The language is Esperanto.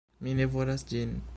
Mi ne volas ĝin!